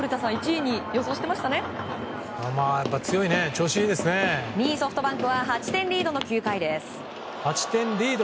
２位ソフトバンクは８点リードの９回です。